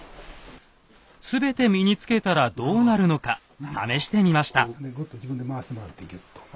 全て身につけたらどうなるのか試してみました。